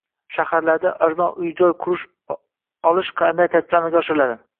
Shaharlarda arzon uy-joy sotib olish qanday tartibda amalga oshiriladi?